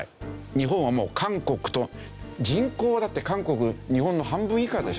日本はもう韓国と人口はだって韓国日本の半分以下でしょ。